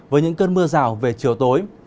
với những cơn mưa rào về chiều tối